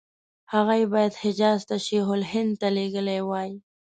هغه یې باید حجاز ته شیخ الهند ته لېږلي وای.